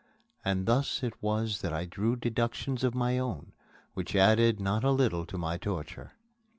And thus it was that I drew deductions of my own which added not a little to my torture.